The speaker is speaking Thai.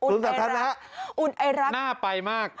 อุลสาธารณะอุ้นไอรักหอนั่งไปมาก